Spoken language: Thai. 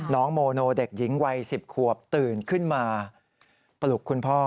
น้องโมโนเด็กหญิงวัย๑๐ขวบตื่นขึ้นมาปลุกคุณพ่อ